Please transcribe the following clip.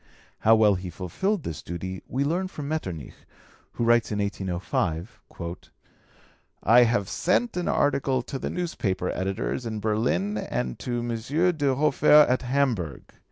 How well he fulfilled this duty we learn from Metternich, who writes in 1805: "I have sent an article to the newspaper editors in Berlin and to M. de Hofer at Hamburg.